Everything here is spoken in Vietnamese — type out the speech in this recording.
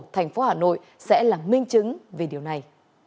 thành phố hà nội sẽ là minh chứng về điều này